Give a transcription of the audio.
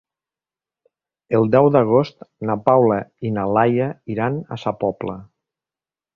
El deu d'agost na Paula i na Laia iran a Sa Pobla.